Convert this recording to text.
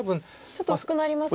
ちょっと薄くなりますね。